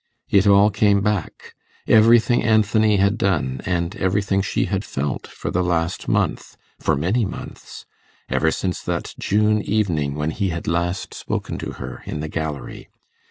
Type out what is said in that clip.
It all came back; everything Anthony had done, and everything she had felt for the last month for many months ever since that June evening when he had last spoken to her in the gallery.